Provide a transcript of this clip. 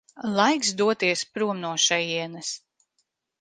Laiks doties prom no šejienes.